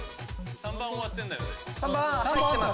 ３番終わってるんだよね。